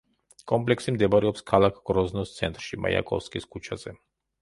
კომპლექსი მდებარეობს ქალაქ გროზნოს ცენტრში, მაიაკოვსკის ქუჩაზე.